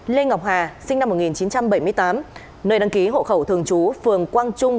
lê ngọc hà sinh năm một nghìn chín trăm bảy mươi tám nơi đăng ký hộ khẩu thường trú phường quang trung